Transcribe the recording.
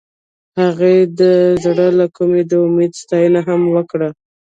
هغې د زړه له کومې د امید ستاینه هم وکړه.